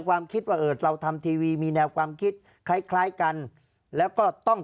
ความคิดว่าเออเราทำทีวีมีแนวความคิดคล้ายคล้ายกันแล้วก็ต้อง